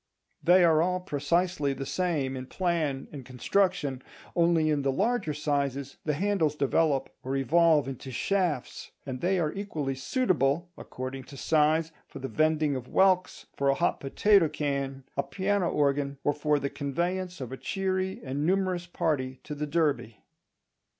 They are all precisely the same in plan and construction, only in the larger sizes the handles develop or evolve into shafts; and they are equally suitable, according to size, for the vending of whelks, for a hot potato can, a piano organ, or for the conveyance of a cheery and numerous party to the Derby.